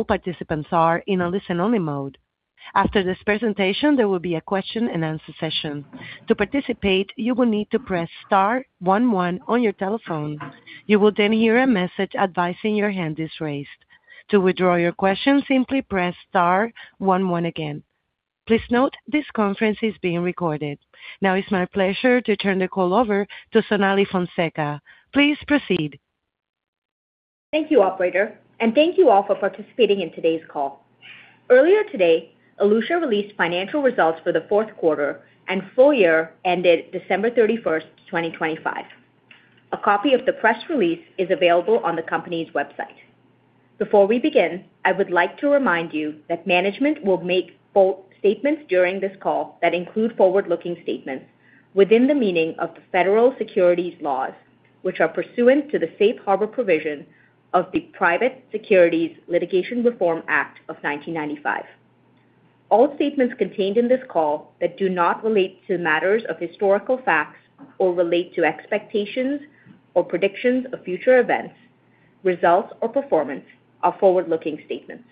All participants are in a listen-only mode. After this presentation, there will be a question and answer session. To participate, you will need to press star one one on your telephone. You will then hear a message advising your hand is raised. To withdraw your question, simply press star one one again. Please note this conference is being recorded. Now it's my pleasure to turn the call over to Sonali Fonseca. Please proceed. Thank you, operator, and thank you all for participating in today's call. Earlier today, Elutia released financial results for the fourth quarter and full year ended December 31, 2025. A copy of the press release is available on the company's website. Before we begin, I would like to remind you that management will make forward-looking statements during this call that include forward-looking statements within the meaning of the federal securities laws, which are pursuant to the safe harbor provision of the Private Securities Litigation Reform Act of 1995. All statements contained in this call that do not relate to matters of historical facts or relate to expectations or predictions of future events, results or performance are forward-looking statements.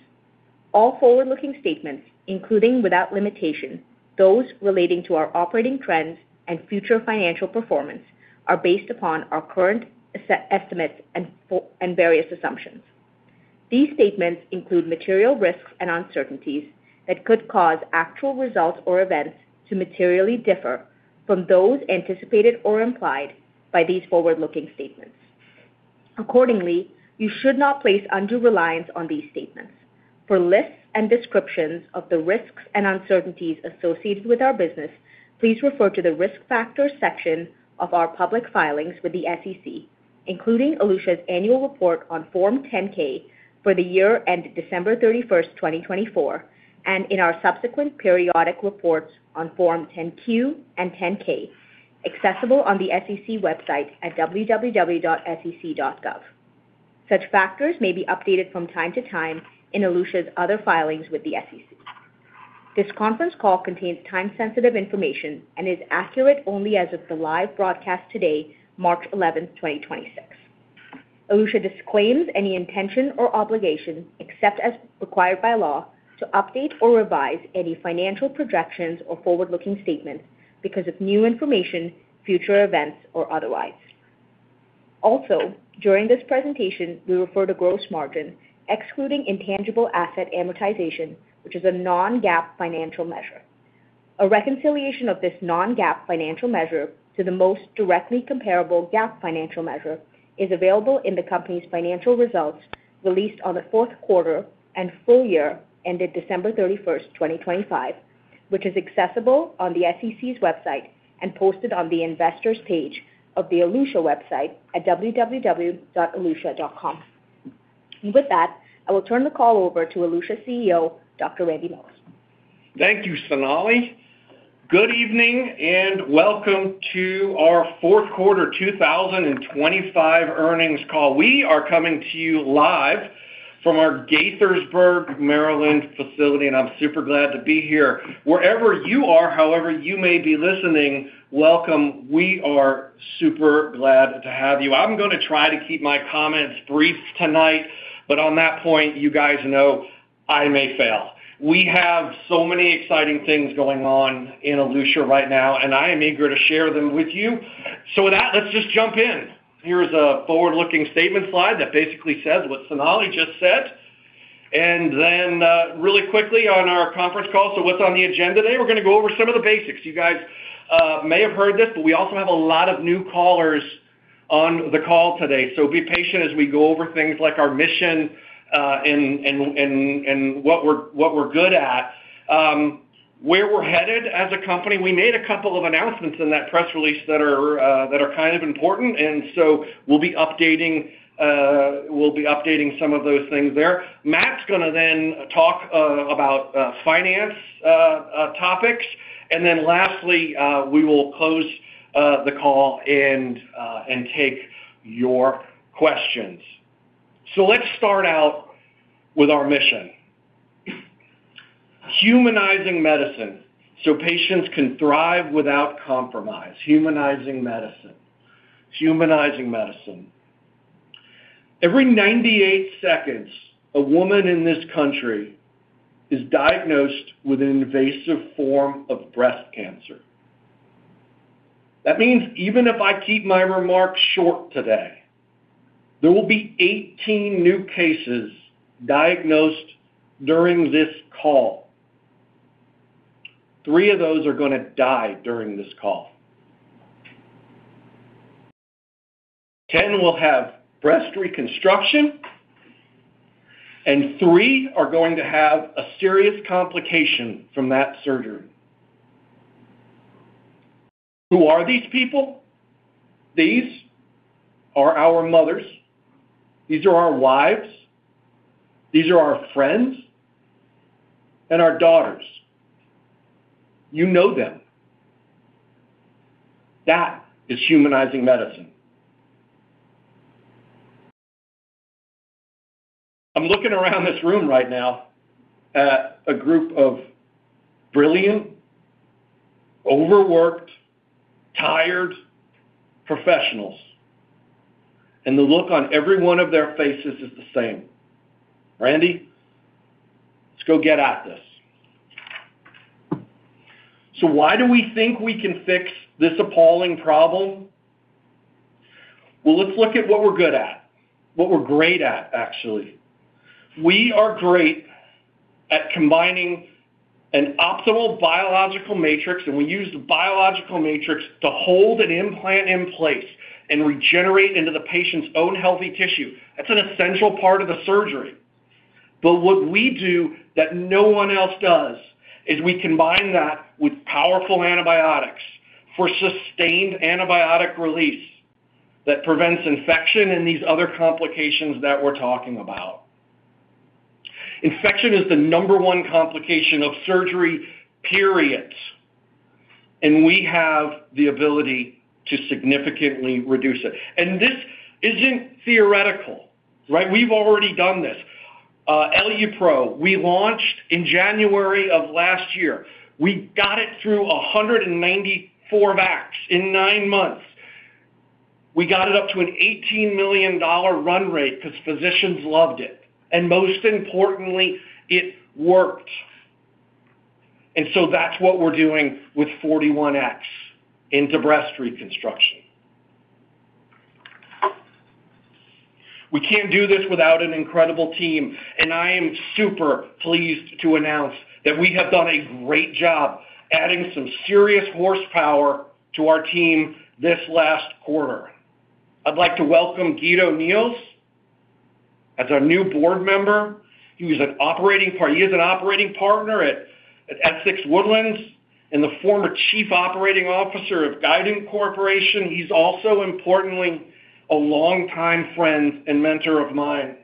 All forward-looking statements, including without limitation those relating to our operating trends and future financial performance, are based upon our current estimates and various assumptions. These statements include material risks and uncertainties that could cause actual results or events to materially differ from those anticipated or implied by these forward-looking statements. Accordingly, you should not place undue reliance on these statements. For lists and descriptions of the risks and uncertainties associated with our business, please refer to the Risk Factors section of our public filings with the SEC, including Elutia's annual report on Form 10-K for the year ended December 31, 2024, and in our subsequent periodic reports on Form 10-Q and 10-K, accessible on the SEC website at www.sec.gov. Such factors may be updated from time to time in Elutia's other filings with the SEC. This conference call contains time-sensitive information and is accurate only as of the live broadcast today, March 11, 2026. Elutia disclaims any intention or obligation, except as required by law, to update or revise any financial projections or forward-looking statements because of new information, future events, or otherwise. Also, during this presentation, we refer to gross margin excluding intangible asset amortization, which is a non-GAAP financial measure. A reconciliation of this non-GAAP financial measure to the most directly comparable GAAP financial measure is available in the company's financial results released on the fourth quarter and full year ended December 31, 2025, which is accessible on the SEC's website and posted on the Investors page of the Elutia website at www.elutia.com. With that, I will turn the call over to Elutia CEO, Dr. Randal Mills. Thank you, Sonali. Good evening, and welcome to our fourth quarter 2025 earnings call. We are coming to you live from our Gaithersburg, Maryland, facility, and I'm super glad to be here. Wherever you are, however you may be listening, welcome. We are super glad to have you. I'm gonna try to keep my comments brief tonight, but on that point, you guys know I may fail. We have so many exciting things going on in Elutia right now, and I am eager to share them with you. With that, let's just jump in. Here's a forward-looking statement slide that basically says what Sonali just said. Then, really quickly on our conference call, what's on the agenda today? We're gonna go over some of the basics. You guys may have heard this, but we also have a lot of new callers on the call today. Be patient as we go over things like our mission, and what we're good at, where we're headed as a company. We made a couple of announcements in that press release that are kind of important, and so we'll be updating some of those things there. Matt's gonna then talk about finance topics. Then lastly, we will close the call and take your questions. Let's start out with our mission. Humanizing medicine so patients can thrive without compromise. Humanizing medicine. Every 98 seconds, a woman in this country is diagnosed with an invasive form of breast cancer. That means even if I keep my remarks short today, there will be 18 new cases diagnosed during this call. Three of those are gonna die during this call. 10 will have breast reconstruction, and three are going to have a serious complication from that surgery. Who are these people? These are our mothers, these are our wives, these are our friends, and our daughters. You know them. That is humanizing medicine. I'm looking around this room right now at a group of brilliant, overworked, tired professionals. The look on every one of their faces is the same. "Randy, let's go get at this." Why do we think we can fix this appalling problem? Well, let's look at what we're good at, what we're great at, actually. We are great at combining an optimal biological matrix, and we use the biological matrix to hold an implant in place and regenerate into the patient's own healthy tissue. That's an essential part of the surgery. What we do that no one else does is we combine that with powerful antibiotics for sustained antibiotic release that prevents infection and these other complications that we're talking about. Infection is the number one complication of surgery, period. We have the ability to significantly reduce it. This isn't theoretical, right? We've already done this. EluPro, we launched in January of last year. We got it through 194 VACs in nine months. We got it up to an $18 million run rate 'cause physicians loved it, and most importantly, it worked. That's what we're doing with NXT-41x into breast reconstruction. We can't do this without an incredible team, and I am super pleased to announce that we have done a great job adding some serious horsepower to our team this last quarter. I'd like to welcome Guido J. Neels as our new Board Member. He is an operating partner at Essex Woodlands and the former chief operating officer of Guiding Corporation. He's also importantly a longtime friend and mentor of mine,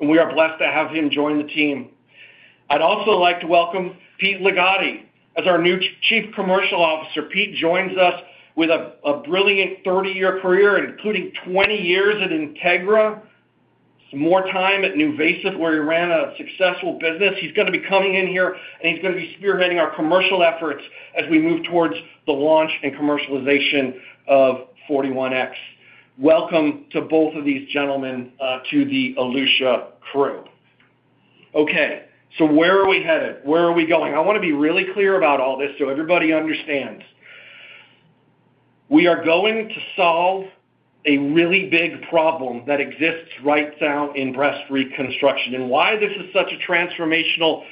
and we are blessed to have him join the team. I'd also like to welcome Pete Ligotti as our new Chief Commercial Officer. Pete joins us with a brilliant 30-year career, including 20 years at Integra, some more time at NuVasive, where he ran a successful business. He's gonna be coming in here, and he's gonna be spearheading our commercial efforts as we move towards the launch and commercialization of NXT-41x. Welcome to both of these gentlemen, to the Elutia crew. Okay, so where are we headed? Where are we going? I wanna be really clear about all this so everybody understands. We are going to solve a really big problem that exists right now in breast reconstruction, and why this is such a transformational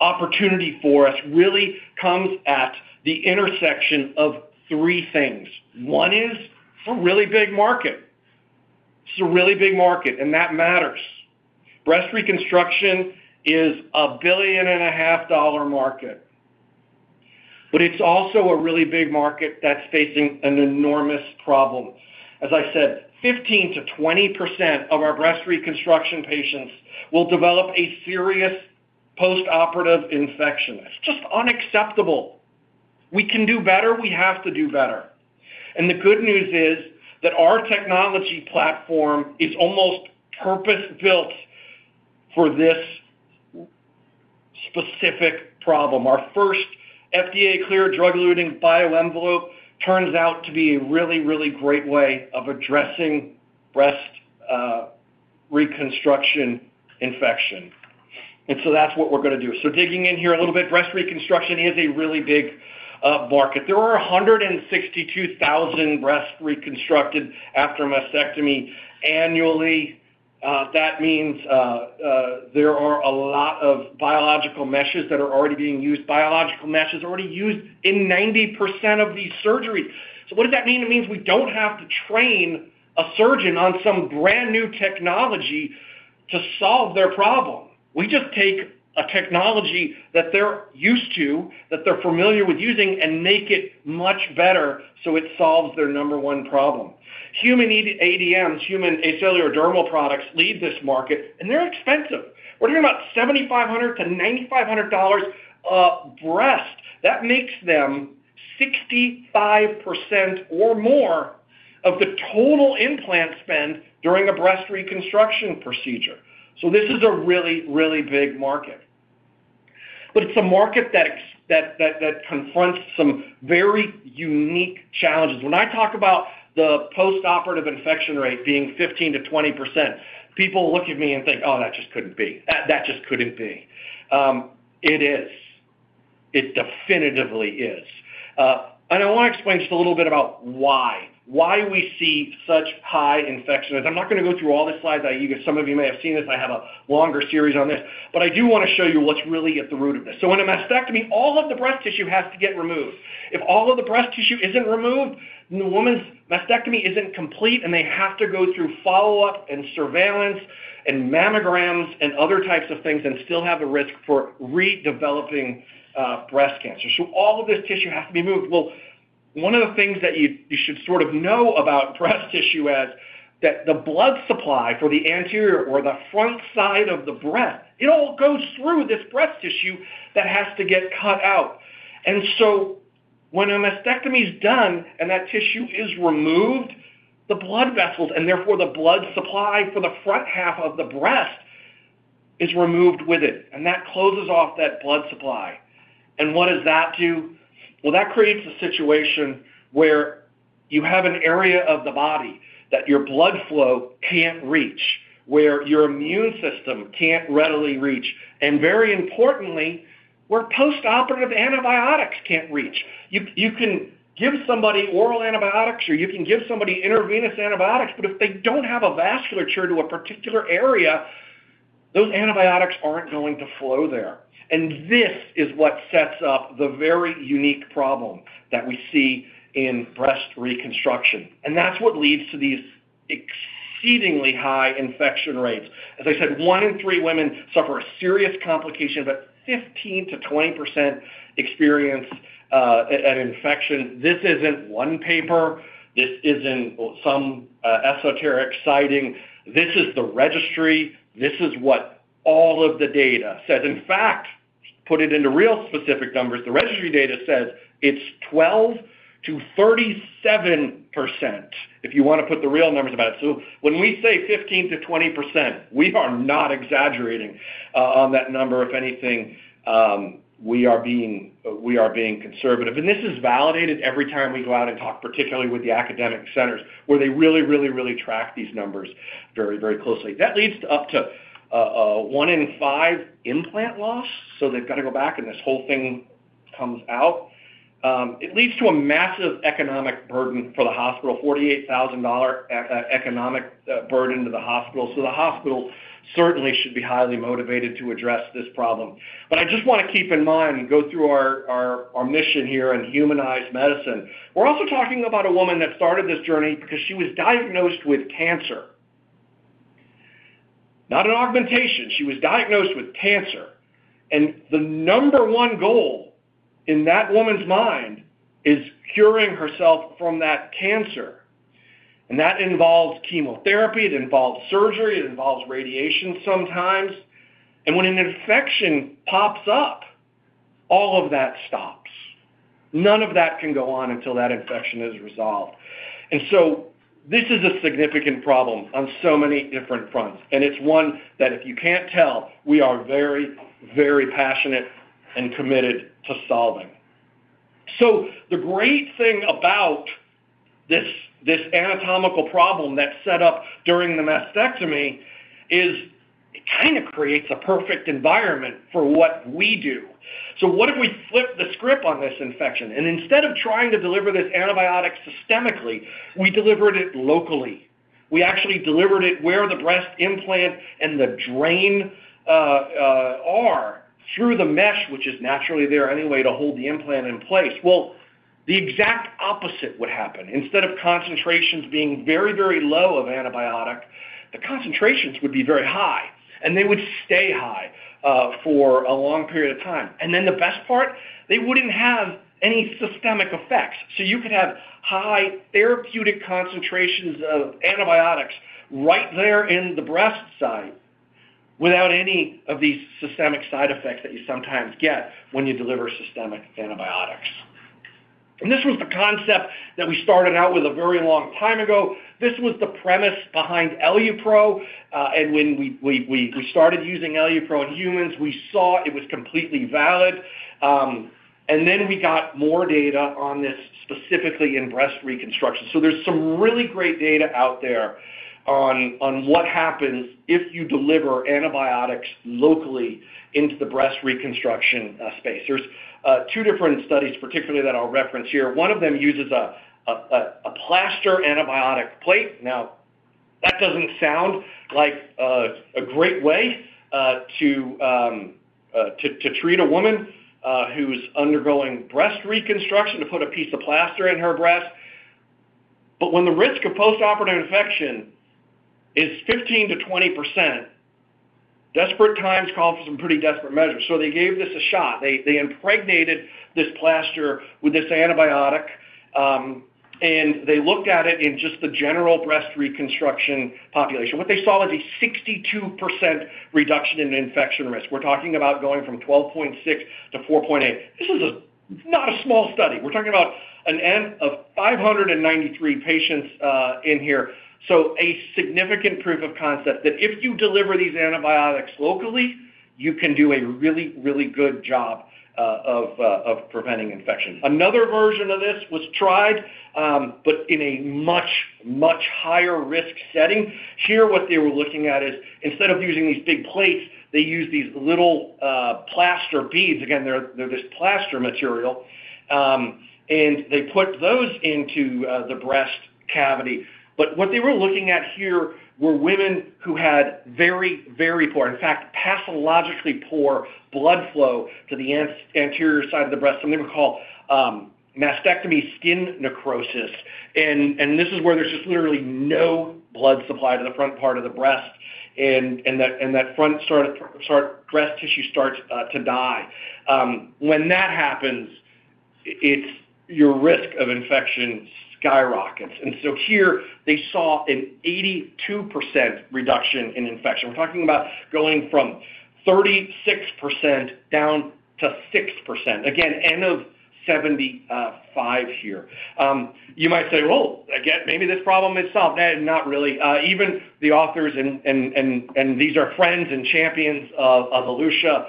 opportunity for us really comes at the intersection of three things. One is it's a really big market. It's a really big market, and that matters. Breast reconstruction is a $1.5 billion market, but it's also a really big market that's facing an enormous problem. As I said, 15%-20% of our breast reconstruction patients will develop a serious postoperative infection. It's just unacceptable. We can do better. We have to do better. The good news is that our technology platform is almost purpose-built for this specific problem. Our first FDA-cleared drug-eluting bioenvelope turns out to be a really, really great way of addressing breast reconstruction infection. That's what we're gonna do. Digging in here a little bit, breast reconstruction is a really big market. There are 162,000 breasts reconstructed after mastectomy annually. That means there are a lot of biological meshes that are already being used. Biological mesh is already used in 90% of these surgeries. What does that mean? It means we don't have to train a surgeon on some brand-new technology to solve their problem. We just take a technology that they're used to, that they're familiar with using and make it much better so it solves their number one problem. Human ADMs, human acellular dermal products lead this market, and they're expensive. We're talking about $7,500-$9,500 a breast. That makes them 65% or more of the total implant spend during a breast reconstruction procedure. This is a really, really big market. It's a market that's that confronts some very unique challenges. When I talk about the postoperative infection rate being 15%-20%, people look at me and think, "Oh, that just couldn't be. That just couldn't be." It is. It definitively is. I wanna explain just a little bit about why. Why we see such high infection rates. I'm not gonna go through all the slides. Some of you may have seen this. I have a longer series on this. I do wanna show you what's really at the root of this. In a mastectomy, all of the breast tissue has to get removed. If all of the breast tissue isn't removed, then the woman's mastectomy isn't complete, and they have to go through follow-up and surveillance and mammograms and other types of things and still have the risk for redeveloping breast cancer. All of this tissue has to be removed. Well, one of the things that you should sort of know about breast tissue is that the blood supply for the anterior or the front side of the breast, it all goes through this breast tissue that has to get cut out. When a mastectomy is done and that tissue is removed, the blood vessels and therefore the blood supply for the front half of the breast is removed with it, and that closes off that blood supply. What does that do? Well, that creates a situation where you have an area of the body that your blood flow can't reach, where your immune system can't readily reach, and very importantly, where postoperative antibiotics can't reach. You can give somebody oral antibiotics or you can give somebody intravenous antibiotics, but if they don't have a vasculature to a particular area, those antibiotics aren't going to flow there. This is what sets up the very unique problem that we see in breast reconstruction. That's what leads to these exceedingly high infection rates. As I said, one in three women suffer a serious complication, but 15%-20% experience an infection. This isn't one paper. This isn't some esoteric sighting. This is the registry. This is what all of the data says. In fact, put it into real specific numbers, the registry data says it's 12%-37% if you wanna put the real numbers about it. When we say 15%-20%, we are not exaggerating on that number. If anything, we are being conservative. This is validated every time we go out and talk, particularly with the academic centers, where they really track these numbers very closely. That leads to up to one in five implant loss, so they've gotta go back, and this whole thing comes out. It leads to a massive economic burden for the hospital, $48,000 economic burden to the hospital. The hospital certainly should be highly motivated to address this problem. I just wanna keep in mind and go through our mission here in humanized medicine. We're also talking about a woman that started this journey because she was diagnosed with cancer. Not an augmentation. She was diagnosed with cancer. The number one goal in that woman's mind is curing herself from that cancer, and that involves chemotherapy, it involves surgery, it involves radiation sometimes. When an infection pops up, all of that stops. None of that can go on until that infection is resolved. This is a significant problem on so many different fronts, and it's one that if you can't tell, we are very, very passionate and committed to solving. The great thing about this anatomical problem that's set up during the mastectomy is it kinda creates a perfect environment for what we do. What if we flip the script on this infection, and instead of trying to deliver this antibiotic systemically, we delivered it locally? We actually delivered it where the breast implant and the drain are through the mesh, which is naturally there anyway to hold the implant in place. Well, the exact opposite would happen. Instead of concentrations being very, very low of antibiotic, the concentrations would be very high, and they would stay high for a long period of time. Then the best part, they wouldn't have any systemic effects. You could have high therapeutic concentrations of antibiotics right there in the breast site without any of these systemic side effects that you sometimes get when you deliver systemic antibiotics. This was the concept that we started out with a very long time ago. This was the premise behind EluPro. When we started using EluPro in humans, we saw it was completely valid. We got more data on this specifically in breast reconstruction. There's some really great data out there on what happens if you deliver antibiotics locally into the breast reconstruction space. There's two different studies particularly that I'll reference here. One of them uses a plaster antibiotic plate. Now, that doesn't sound like a great way to treat a woman who's undergoing breast reconstruction, to put a piece of plaster in her breast. When the risk of postoperative infection is 15%-20%, desperate times call for some pretty desperate measures, so they gave this a shot. They impregnated this plaster with this antibiotic, and they looked at it in just the general breast reconstruction population. What they saw was a 62% reduction in infection risk. We're talking about going from 12.6 to 4.8. This is not a small study. We're talking about an N of 593 patients in here. So a significant proof of concept that if you deliver these antibiotics locally, you can do a really, really good job of preventing infection. Another version of this was tried, but in a much, much higher risk setting. Here, what they were looking at is instead of using these big plates, they used these little plaster beads. Again, they're this plaster material. And they put those into the breast cavity. What they were looking at here were women who had very, very poor, in fact, pathologically poor blood flow to the anterior side of the breast, something we call mastectomy skin necrosis. This is where there's just literally no blood supply to the front part of the breast, and that front breast tissue starts to die. When that happens, the risk of infection skyrockets. Here they saw an 82% reduction in infection. We're talking about going from 36% down to 6%. Again, N of 75 here. You might say, "Well, again, maybe this problem is solved." Not really. Even the authors and these are friends and champions of Elutia,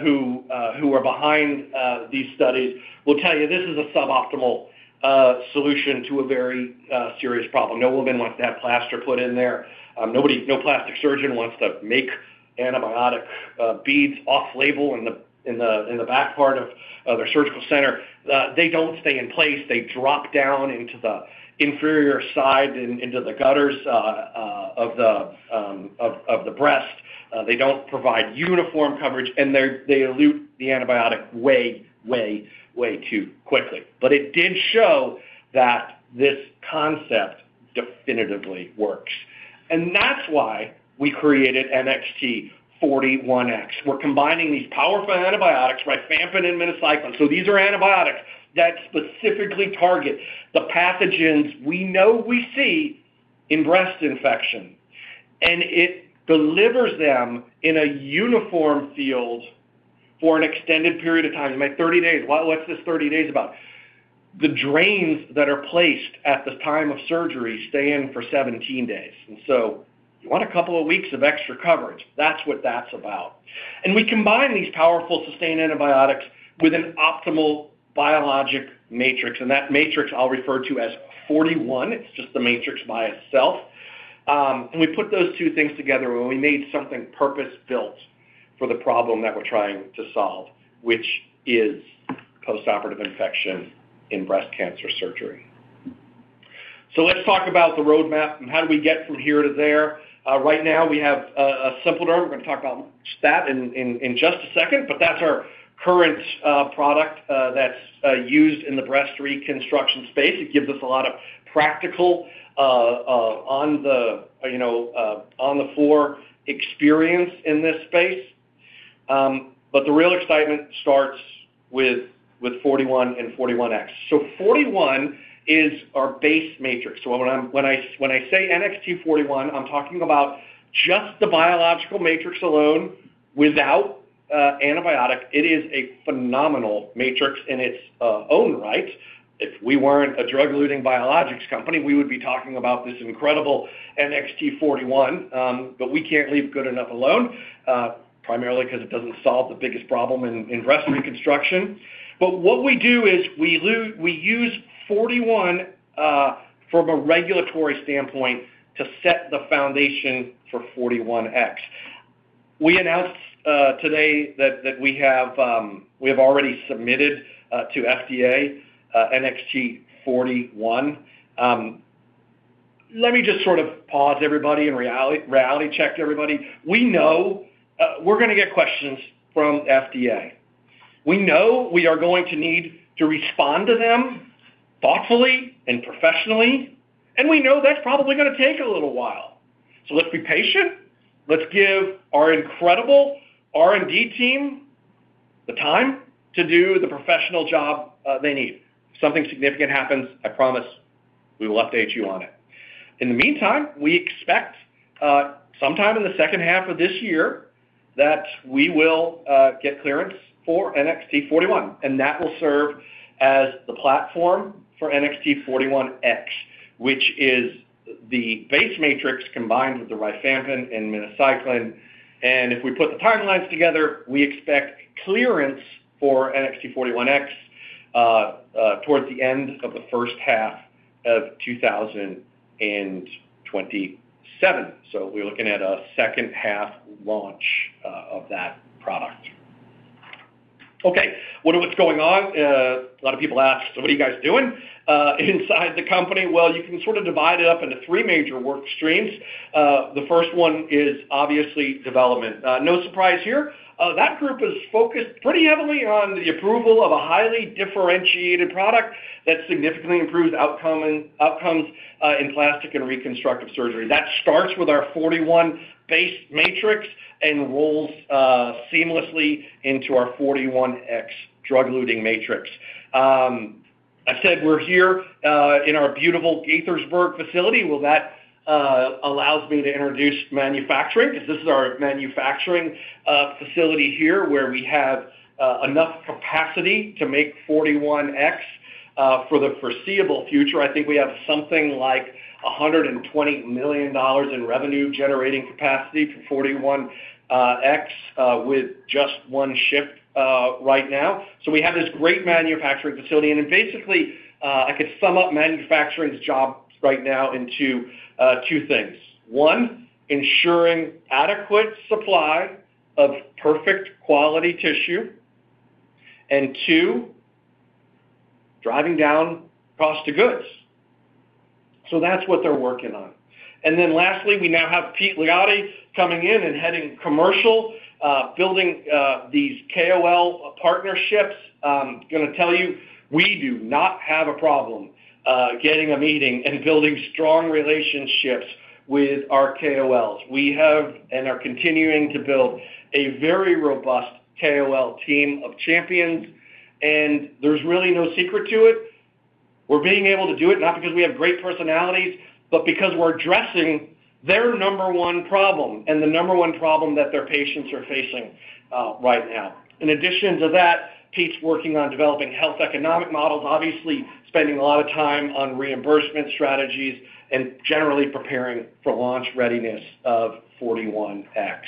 who are behind these studies will tell you this is a suboptimal solution to a very serious problem. No woman wants to have plaster put in there. No plastic surgeon wants to make antibiotic beads off-label in the back part of their surgical center. They don't stay in place. They drop down into the inferior side and into the gutters of the breast. They don't provide uniform coverage, and they elute the antibiotic way too quickly. It did show that this concept definitively works. That's why we created NXT-41x. We're combining these powerful antibiotics, rifampin and minocycline. These are antibiotics that specifically target the pathogens we know we see in breast infection, and it delivers them in a uniform field for an extended period of time. You might 30 days. Why? What's this 30 days about? The drains that are placed at the time of surgery stay in for 17 days, and so you want a couple of weeks of extra coverage. That's what that's about. We combine these powerful sustained antibiotics with an optimal biologic matrix, and that matrix I'll refer to as 41. It's just the matrix by itself. We put those two things together when we made something purpose-built for the problem that we're trying to solve, which is postoperative infection in breast cancer surgery. Let's talk about the roadmap and how do we get from here to there. Right now we have SimpliDerm. We're gonna talk about that in just a second, but that's our current product that's used in the breast reconstruction space. It gives us a lot of practical, you know, on-the-floor experience in this space. But the real excitement starts with 41 and 41x. So 41 is our base matrix. So when I say NXT-41, I'm talking about just the biological matrix alone without antibiotic. It is a phenomenal matrix in its own right. If we weren't a drug-eluting biologics company, we would be talking about this incredible NXT-41, but we can't leave good enough alone, primarily 'cause it doesn't solve the biggest problem in breast reconstruction. What we do is we use 41 from a regulatory standpoint to set the foundation for 41x. We announced today that we have already submitted to FDA, NXT-41. Let me just sort of pause everybody and reality check everybody. We know we're gonna get questions from FDA. We know we are going to need to respond to them thoughtfully and professionally, and we know that's probably gonna take a little while. Let's be patient. Let's give our incredible R&D team the time to do the professional job they need. If something significant happens, I promise we will update you on it. In the meantime, we expect sometime in the second half of this year that we will get clearance for NXT-41, and that will serve as the platform for NXT-41x, which is the base matrix combined with the rifampin and minocycline. If we put the timelines together, we expect clearance for NXT-41x towards the end of the first half of 2027. We're looking at a second half launch of that product. Okay. What's going on? A lot of people ask, "So what are you guys doing inside the company?" Well, you can sort of divide it up into three major work streams. The first one is obviously development. No surprise here. That group is focused pretty heavily on the approval of a highly differentiated product that significantly improves outcomes in plastic and reconstructive surgery. That starts with our NXT-41 base matrix and rolls seamlessly into our NXT-41x drug-eluting matrix. I said we're here in our beautiful Gaithersburg facility. That allows me to introduce manufacturing 'cause this is our manufacturing facility here where we have enough capacity to make NXT-41x for the foreseeable future. I think we have something like $120 million in revenue generating capacity for NXT-41x with just one shift right now. We have this great manufacturing facility. Basically, I could sum up manufacturing's job right now into two things. One, ensuring adequate supply of perfect quality tissue, and two, driving down cost of goods. That's what they're working on. Lastly, we now have Pete Ligotti coming in and heading commercial, building these KOL partnerships. Gonna tell you, we do not have a problem getting a meeting and building strong relationships with our KOLs. We have and are continuing to build a very robust KOL team of champions, and there's really no secret to it. We're being able to do it not because we have great personalities, but because we're addressing their number one problem and the number one problem that their patients are facing right now. In addition to that, Pete's working on developing health economic models, obviously spending a lot of time on reimbursement strategies and generally preparing for launch readiness of NXT-41x.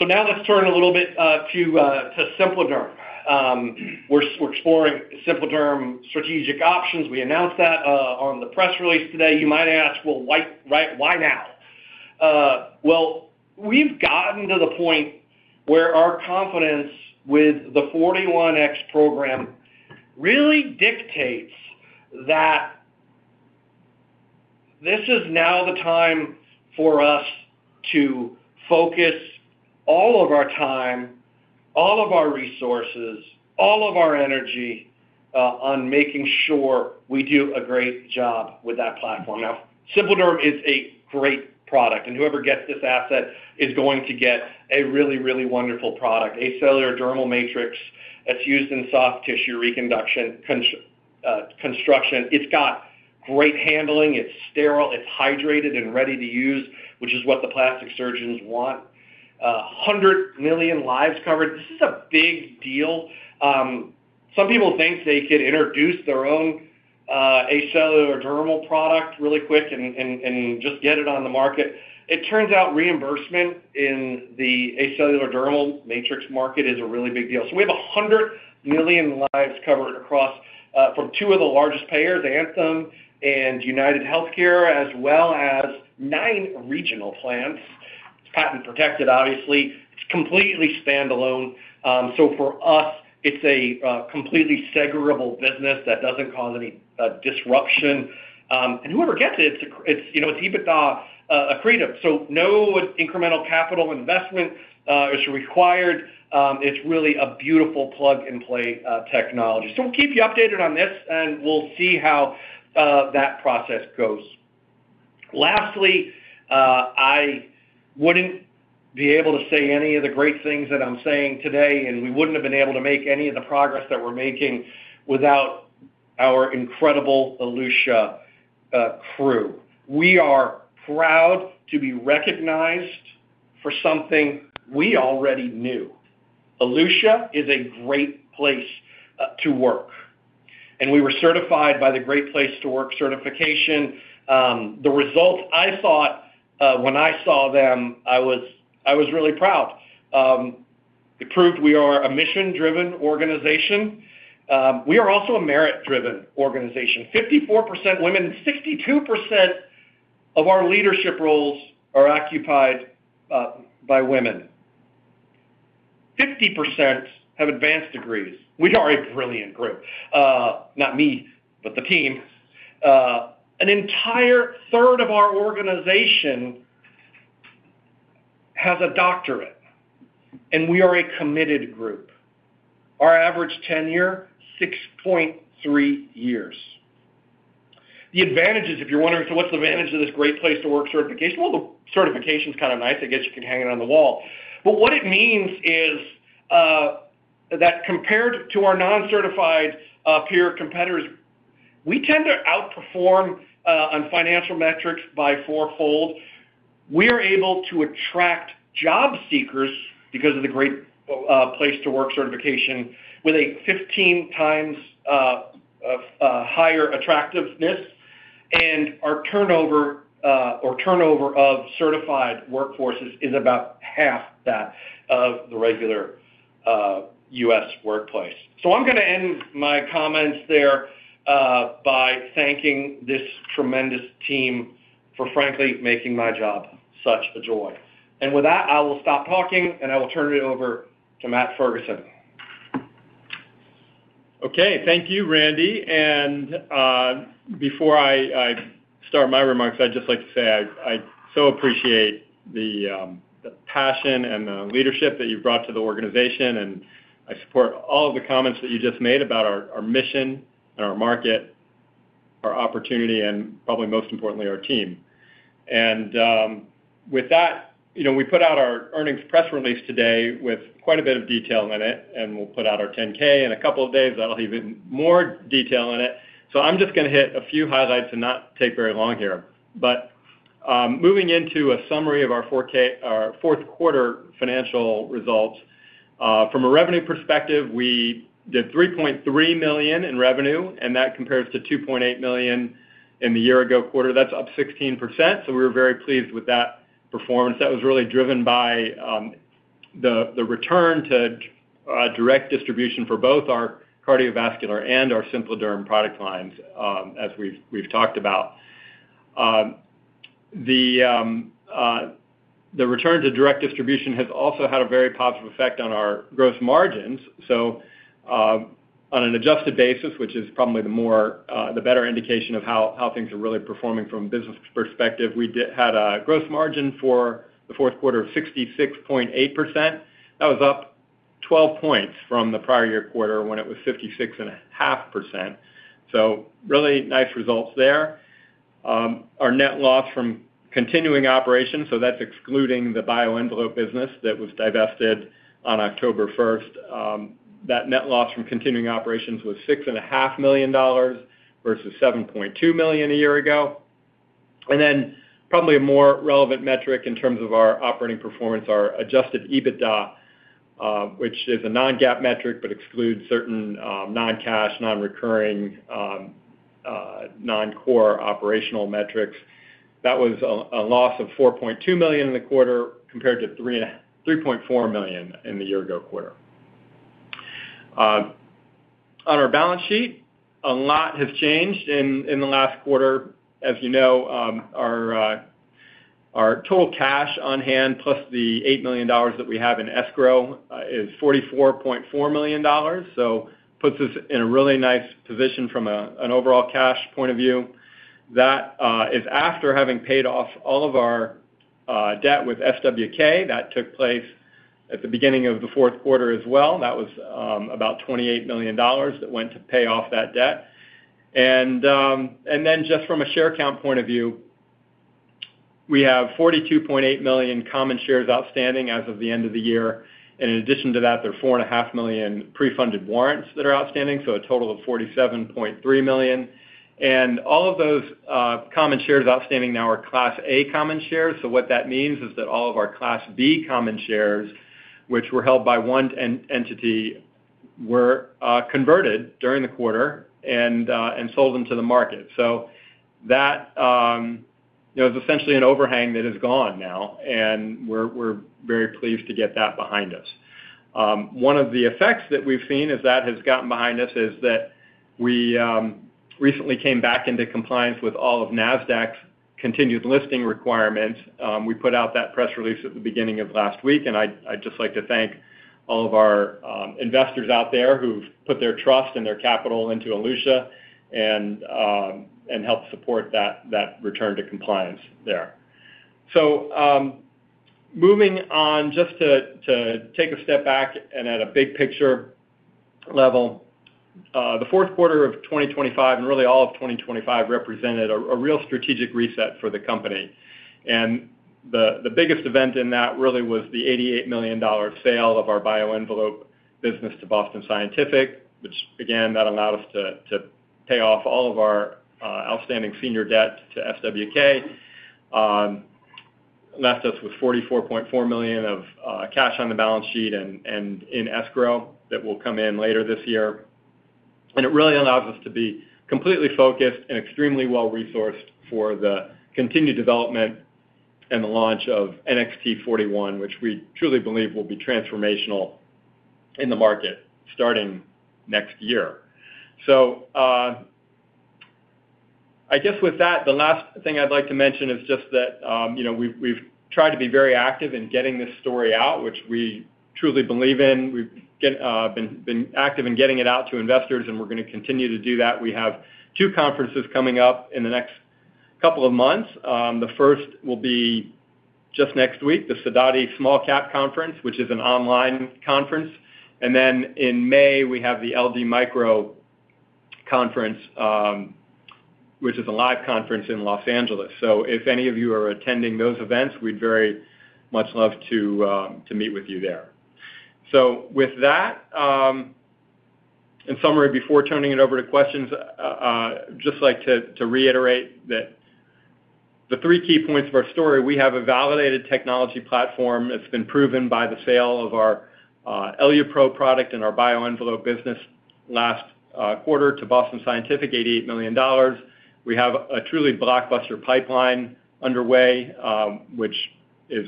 Now let's turn a little bit to SimpliDerm. We're exploring SimpliDerm strategic options. We announced that on the press release today. You might ask, "Well, why now?" Well, we've gotten to the point where our confidence with the 41x program really dictates that this is now the time for us to focus all of our time, all of our resources, all of our energy on making sure we do a great job with that platform. Now, SimpliDerm is a great product, and whoever gets this asset is going to get a really wonderful product. Acellular dermal matrix that's used in soft tissue reconstruction. It's got great handling. It's sterile, it's hydrated and ready to use, which is what the plastic surgeons want. 100 million lives covered. This is a big deal. Some people think they could introduce their own acellular dermal product really quick and just get it on the market. It turns out reimbursement in the acellular dermal matrix market is a really big deal. We have 100 million lives covered across from two of the largest payers, Anthem and UnitedHealthcare, as well as nine regional plans. It's patent protected, obviously. It's completely standalone. For us, it's a completely separable business that doesn't cause any disruption. Whoever gets it's, you know, it's EBITDA accretive, so no incremental capital investment is required. It's really a beautiful plug-and-play technology. We'll keep you updated on this, and we'll see how that process goes. Lastly, I wouldn't be able to say any of the great things that I'm saying today, and we wouldn't have been able to make any of the progress that we're making without our incredible Elutia crew. We are proud to be recognized for something we already knew. Elutia is a great place to work, and we were certified by the Great Place to Work certification. The results, I thought, when I saw them, I was really proud. It proved we are a mission-driven organization. We are also a merit-driven organization. 54% women, 62% of our leadership roles are occupied by women. 50% have advanced degrees. We are a brilliant group. Not me, but the team. An entire third of our organization has a doctorate, and we are a committed group. Our average tenure, 6.3 years. The advantages, if you're wondering, what's the advantage of this Great Place to Work certification? Well, the certification's kind of nice. I guess you can hang it on the wall. What it means is that compared to our non-certified peer competitors, we tend to outperform on financial metrics by fourfold. We are able to attract job seekers because of the Great Place to Work certification with a 15 times higher attractiveness and turnover of certified workforces is about half that of the regular US workplace. I'm gonna end my comments there by thanking this tremendous team for frankly making my job such a joy. With that, I will stop talking, and I will turn it over to Matthew Ferguson. Okay. Thank you, Randy. Before I start my remarks, I'd just like to say I so appreciate the passion and the leadership that you've brought to the organization, and I support all of the comments that you just made about our mission and our market, our opportunity, and probably most importantly, our team. With that, you know, we put out our earnings press release today with quite a bit of detail in it, and we'll put out our 10-K in a couple of days. That'll have even more detail in it. I'm just gonna hit a few highlights and not take very long here. Moving into a summary of our fourth quarter financial results. From a revenue perspective, we did $3.3 million in revenue, and that compares to $2.8 million in the year ago quarter. That's up 16%, so we were very pleased with that performance. That was really driven by the return to direct distribution for both our cardiovascular and our SimpliDerm product lines, as we've talked about. The return to direct distribution has also had a very positive effect on our gross margins. On an adjusted basis, which is probably the better indication of how things are really performing from a business perspective, we had a gross margin for the fourth quarter of 66.8%. That was up 12 points from the prior year quarter when it was 56.5%. Really nice results there. Our net loss from continuing operations, that's excluding the BioEnvelope business that was divested on October first, that net loss from continuing operations was $6 and a half million versus $7.2 million a year ago. Then probably a more relevant metric in terms of our operating performance are adjusted EBITDA, which is a non-GAAP metric but excludes certain non-cash, non-recurring, non-core operational metrics. That was a loss of $4.2 million in the quarter compared to $3.4 million in the year-ago quarter. On our balance sheet, a lot has changed in the last quarter. As you know, our total cash on hand, plus the $8 million that we have in escrow, is $44.4 million. Puts us in a really nice position from an overall cash point of view. That is after having paid off all of our debt with SWK. That took place at the beginning of the fourth quarter as well. That was about $28 million that went to pay off that debt. Just from a share count point of view, we have 42.8 million common shares outstanding as of the end of the year. In addition to that, there are 4.5 million pre-funded warrants that are outstanding, so a total of 47.3 million. All of those common shares outstanding now are Class A common shares. What that means is that all of our Class B common shares, which were held by one entity, were converted during the quarter and sold into the market. That you know is essentially an overhang that is gone now, and we're very pleased to get that behind us. One of the effects that we've seen as that has gotten behind us is that we recently came back into compliance with all of Nasdaq's continued listing requirements. We put out that press release at the beginning of last week, and I'd just like to thank all of our investors out there who've put their trust and their capital into Elutia and helped support that return to compliance there. Moving on just to take a step back and at a big picture level, the fourth quarter of 2025 and really all of 2025 represented a real strategic reset for the company. The biggest event in that really was the $88 million sale of our BioEnvelope business to Boston Scientific, which again allowed us to pay off all of our outstanding senior debt to SWK, left us with $44.4 million of cash on the balance sheet and in escrow that will come in later this year. It really allows us to be completely focused and extremely well-resourced for the continued development and the launch of NXT-41, which we truly believe will be transformational in the market starting next year. I guess with that, the last thing I'd like to mention is just that, you know, we've tried to be very active in getting this story out, which we truly believe in. We've been active in getting it out to investors, and we're gonna continue to do that. We have two conferences coming up in the next couple of months. The first will be just next week, the Sidoti Small Cap Conference, which is an online conference. Then in May, we have the LD Micro Conference, which is a live conference in Los Angeles. If any of you are attending those events, we'd very much love to meet with you there. With that, in summary, before turning it over to questions, just like to reiterate that the three key points of our story, we have a validated technology platform. It's been proven by the sale of our EluPro product and our BioEnvelope business last quarter to Boston Scientific, $88 million. We have a truly blockbuster pipeline underway, which is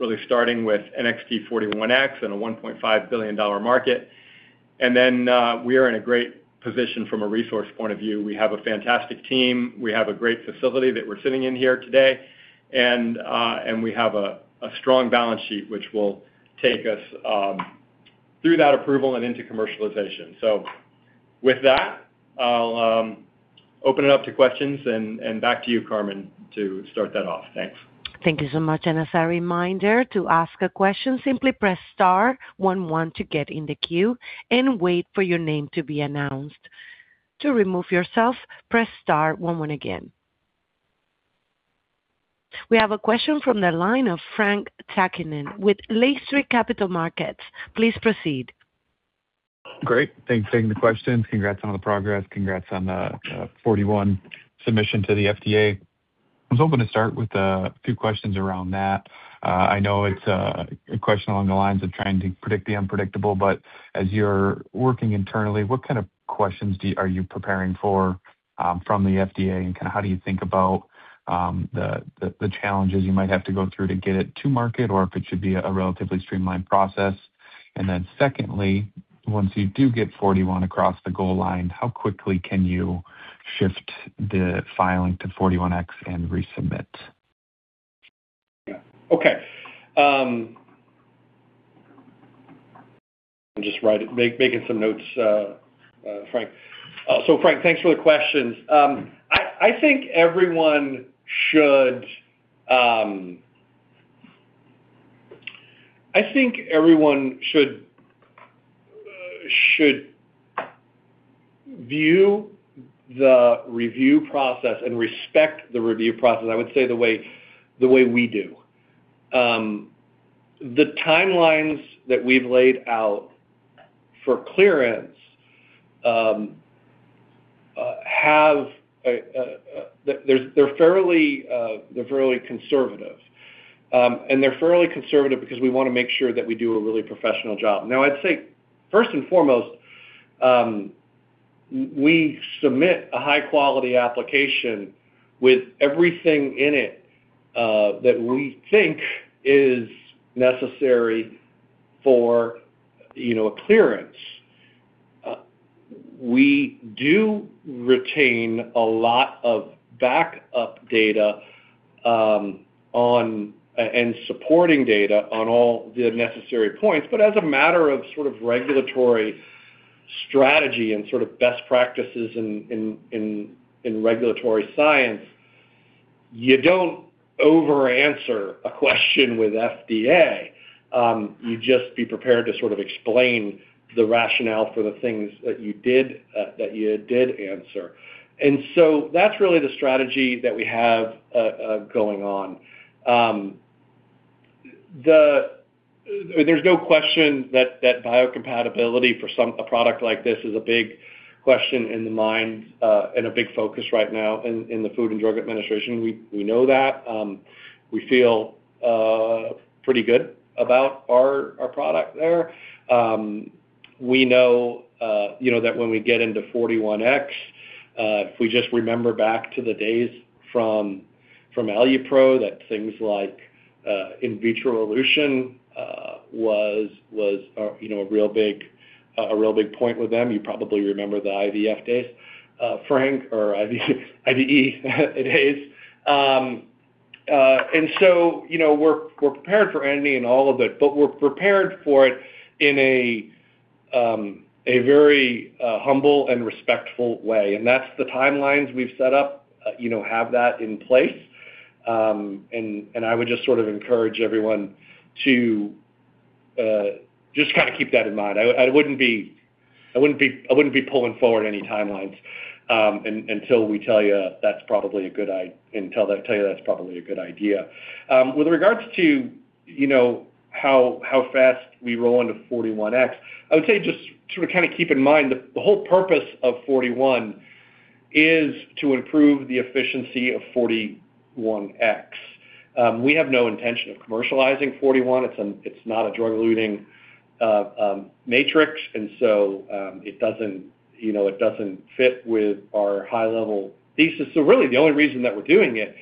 really starting with NXT-41x in a $1.5 billion market. And then, we are in a great position from a resource point of view. We have a fantastic team. We have a great facility that we're sitting in here today. And we have a strong balance sheet, which will take us through that approval and into commercialization. With that, I'll open it up to questions and back to you, Carmen, to start that off. Thanks. Thank you so much. As a reminder, to ask a question, simply press star one one to get in the queue and wait for your name to be announced. To remove yourself, press star one one again. We have a question from the line of Frank Takkinen with Lake Street Capital Markets. Please proceed. Great. Thanks for taking the questions. Congrats on the progress. Congrats on the 41 submission to the FDA. I was hoping to start with a few questions around that. I know it's a question along the lines of trying to predict the unpredictable, but as you're working internally, what kind of questions are you preparing for from the FDA? And kinda how do you think about the challenges you might have to go through to get it to market, or if it should be a relatively streamlined process? And then secondly, once you do get 41 across the goal line, how quickly can you shift the filing to 41x and resubmit? Yeah. Okay. I'm just making some notes, Frank. Frank, thanks for the questions. I think everyone should- I think everyone should view the review process and respect the review process, I would say the way we do. The timelines that we've laid out for clearance. They're fairly conservative because we wanna make sure that we do a really professional job. Now, I'd say first and foremost, we submit a high quality application with everything in it that we think is necessary for, you know, a clearance. We do retain a lot of backup data on and supporting data on all the necessary points. As a matter of sort of regulatory strategy and sort of best practices in regulatory science, you don't over answer a question with FDA. You just be prepared to sort of explain the rationale for the things that you did answer. That's really the strategy that we have going on. There's no question that biocompatibility for a product like this is a big question in the minds and a big focus right now in the Food and Drug Administration. We know that. We feel pretty good about our product there. We know you know that when we get into 41x, if we just remember back to the days from EluPro, that things like in vitro elution was a real big point with them. You probably remember the IVE days, Frank. You know, we're prepared for any and all of it, but we're prepared for it in a very humble and respectful way. That's the timelines we've set up, you know, have that in place. I would just sort of encourage everyone to just kinda keep that in mind. I wouldn't be pulling forward any timelines until I tell you that's probably a good idea. With regards to, you know, how fast we roll into NXT-41x, I would say just to kind of keep in mind, the whole purpose of NXT-41 is to improve the efficiency of NXT-41x. We have no intention of commercializing NXT-41. It's not a drug-eluting matrix, and so it doesn't, you know, it doesn't fit with our high-level thesis. Really the only reason that we're doing it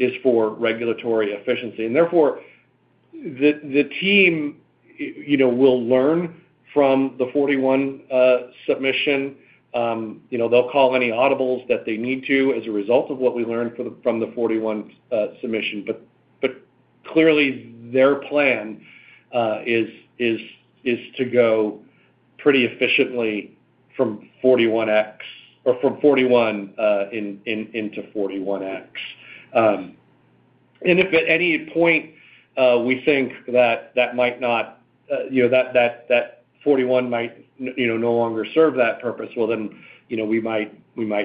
is for regulatory efficiency. Therefore, the team, you know, will learn from the 41 submission. You know, they'll call any audibles that they need to as a result of what we learned from the 41 submission. Clearly their plan is to go pretty efficiently from 41x or from 41 into 41x. If at any point we think that that might not you know, that 41 might no longer serve that purpose, well, then, you know, we might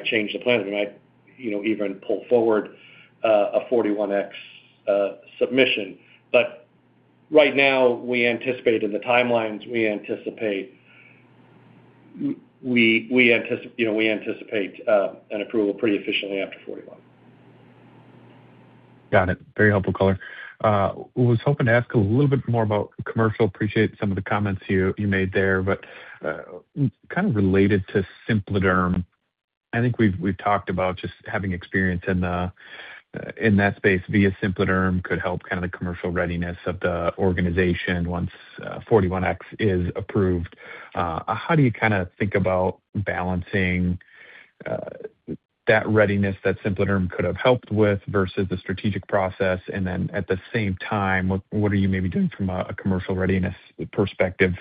change the plans. We might, you know, even pull forward a 41x submission. Right now, we anticipate in the timelines, you know, an approval pretty efficiently after 41. Got it. Very helpful color. Was hoping to ask a little bit more about commercial. Appreciate some of the comments you made there. Kind of related to SimpliDerm, I think we've talked about just having experience in that space via SimpliDerm could help kind of the commercial readiness of the organization once NXT-41x is approved. How do you kinda think about balancing that readiness that SimpliDerm could have helped with versus the strategic process? At the same time, what are you maybe doing from a commercial readiness perspective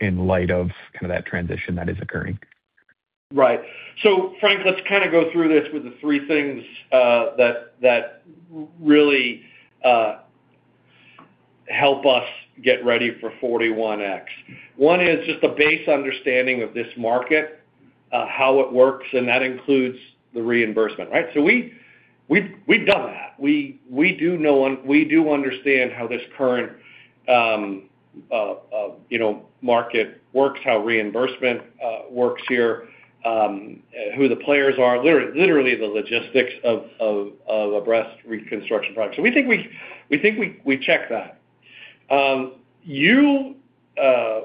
in light of kinda that transition that is occurring? Right. Frank, let's kinda go through this with the three things that really help us get ready for 41x. One is just a base understanding of this market, how it works, and that includes the reimbursement, right? We’ve done that. We do know and we do understand how this current, you know, market works, how reimbursement works here, who the players are, literally the logistics of a breast reconstruction product. We think we check that. You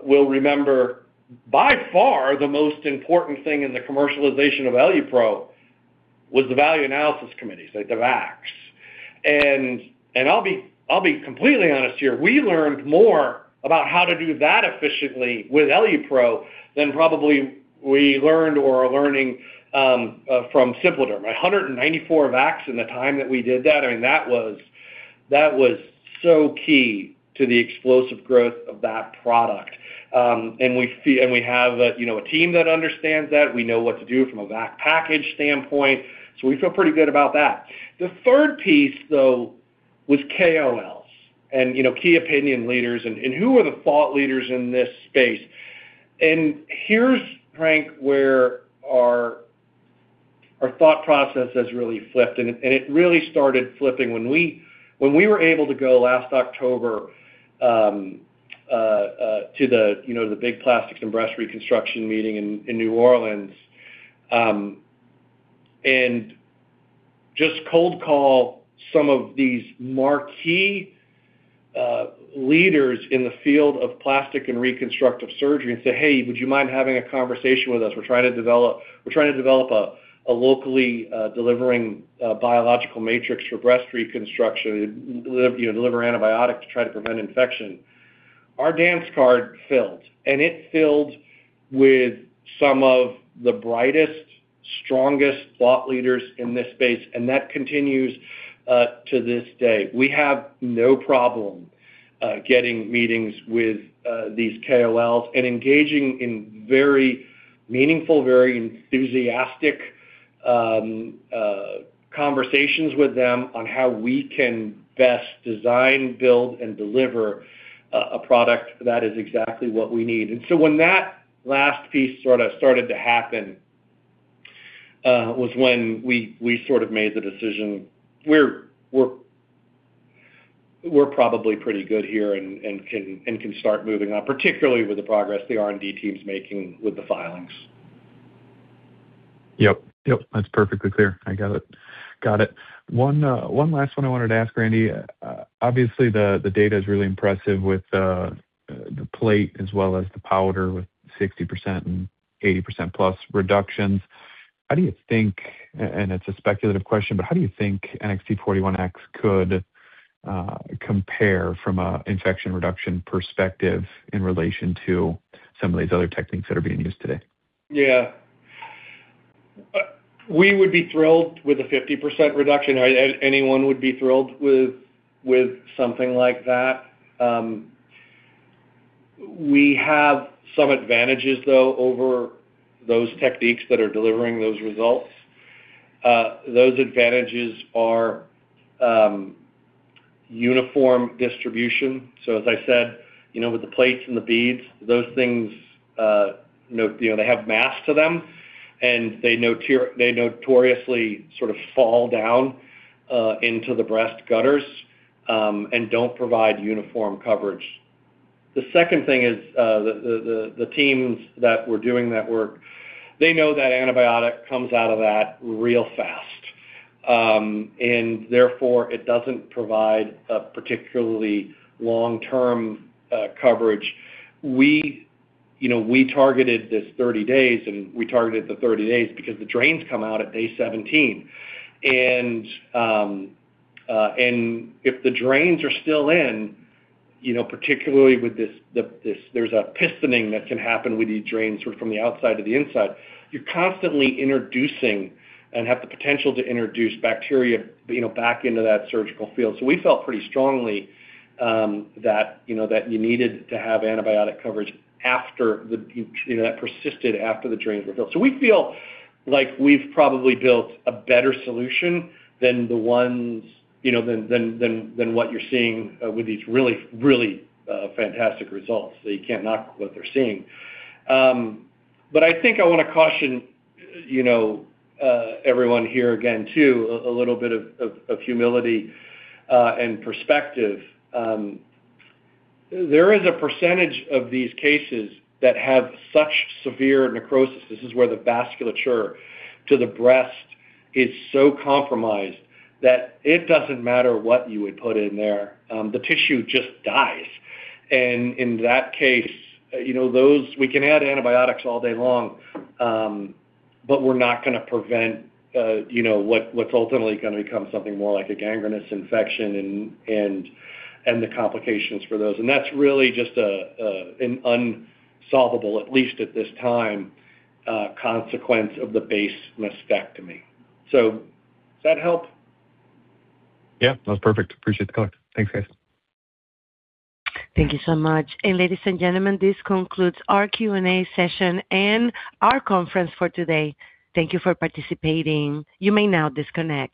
will remember by far the most important thing in the commercialization of EluPro was the Value Analysis Committees, like the VACs. I'll be completely honest here, we learned more about how to do that efficiently with EluPro than probably we learned or are learning from SimpliDerm. 194 VACs in the time that we did that, I mean, that was so key to the explosive growth of that product. We have a, you know, a team that understands that. We know what to do from a VAC package standpoint, so we feel pretty good about that. The third piece, though, was KOLs and, you know, key opinion leaders and who are the thought leaders in this space. Here's, Frank, where our thought process has really flipped, and it really started flipping when we were able to go last October to the, you know, the big plastics and breast reconstruction meeting in New Orleans. Just cold call some of these marquee leaders in the field of plastic and reconstructive surgery and say, "Hey, would you mind having a conversation with us? We're trying to develop a locally delivering biological matrix for breast reconstruction. You know, deliver antibiotics to try to prevent infection." Our dance card filled, and it filled with some of the brightest, strongest thought leaders in this space, and that continues to this day. We have no problem getting meetings with these KOLs and engaging in very meaningful, very enthusiastic conversations with them on how we can best design, build, and deliver a product that is exactly what we need. When that last piece sort of started to happen was when we sort of made the decision we're probably pretty good here and can start moving on, particularly with the progress the R&D team's making with the filings. Yep. That's perfectly clear. I got it. One last one I wanted to ask, Randy. Obviously, the data is really impressive with the plate as well as the powder with 60% and 80%+ reductions. How do you think, and it's a speculative question, but how do you think NXT-41x could compare from an infection reduction perspective in relation to some of these other techniques that are being used today? Yeah. We would be thrilled with a 50% reduction. Anyone would be thrilled with something like that. We have some advantages, though, over those techniques that are delivering those results. Those advantages are uniform distribution. So as I said, you know, with the plates and the beads, those things, you know, they have mass to them, and they notoriously sort of fall down into the breast gutters and don't provide uniform coverage. The second thing is the teams that were doing that work. They know that antibiotic comes out of that real fast. Therefore, it doesn't provide a particularly long-term coverage. We, you know, we targeted this 30 days, and we targeted the 30 days because the drains come out at day 17. If the drains are still in, you know, particularly with this, there's a pistoning that can happen with these drains from the outside to the inside. You're constantly introducing and have the potential to introduce bacteria, you know, back into that surgical field. We felt pretty strongly, you know, that you needed to have antibiotic coverage after, you know, that persisted after the drains were filled. We feel like we've probably built a better solution than the ones, you know, than what you're seeing with these really fantastic results. You can't knock what they're seeing. I think I wanna caution, you know, everyone here again, too, a little bit of humility and perspective. There is a percentage of these cases that have such severe necrosis. This is where the vasculature to the breast is so compromised that it doesn't matter what you would put in there, the tissue just dies. In that case, you know, we can add antibiotics all day long, but we're not gonna prevent, you know, what's ultimately gonna become something more like a gangrenous infection and the complications for those. That's really just an unsolvable, at least at this time, consequence of the base mastectomy. Does that help? Yeah. That was perfect. Appreciate the call. Thanks, guys. Thank you so much. Ladies and gentlemen, this concludes our Q&A session and our conference for today. Thank you for participating. You may now disconnect.